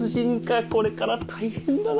これから大変だな。